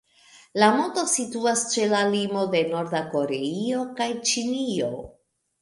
La monto situas ĉe la limo de Norda Koreio kaj Ĉinio.